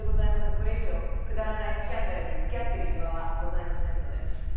「これ以上くだらないスキャンダルに付き合ってる暇はございませんので」